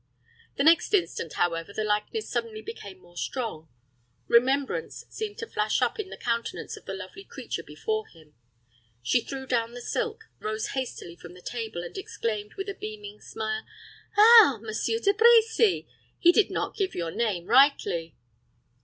The next instant, however, the likeness suddenly became more strong. Remembrance seemed to flash up in the countenance of the lovely creature before him. She threw down the silk, rose hastily from the table, and exclaimed, with a beaming smile, "Ah, Monsieur De Brecy! He did not give your name rightly."